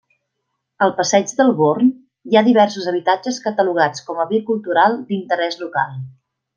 Al passeig del Born hi ha diversos habitatges catalogats com a Bé Cultural d'Interès Local.